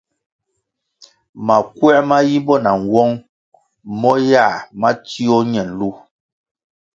Makuer ma yimbo na nwông mo yáh ma tsio ñe nlu.